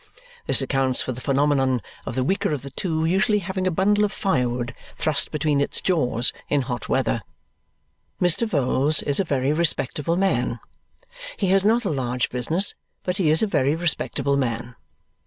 This accounts for the phenomenon of the weaker of the two usually having a bundle of firewood thrust between its jaws in hot weather. Mr. Vholes is a very respectable man. He has not a large business, but he is a very respectable man.